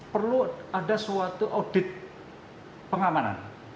perlu ada suatu audit pengamanan